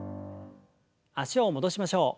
脚を戻しましょう。